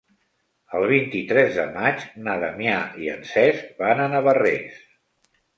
El vint-i-tres de maig na Damià i en Cesc van a Navarrés.